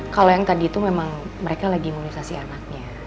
kalau yang tadi itu memang mereka lagi imunisasi anaknya